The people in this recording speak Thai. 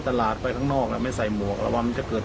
ตลาดไปข้างนอกแล้วไม่ใส่หมวกระวังมันจะเกิด